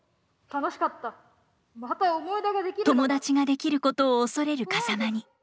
友達ができることを恐れる風間に。